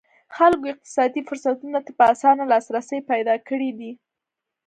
خلکو اقتصادي فرصتونو ته په اسانه لاسرسی پیدا کړی دی.